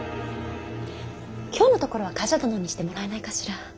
今日のところは冠者殿にしてもらえないかしら。